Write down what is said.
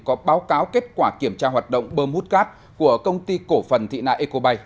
có báo cáo kết quả kiểm tra hoạt động bơm hút cát của công ty cổ phần thị nại ecobay